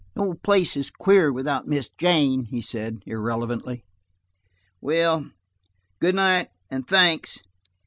"The old place is queer without Miss Jane," he said irrelevantly. "Well, good night, and thanks."